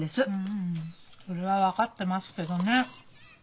うんそれは分かってますけどね。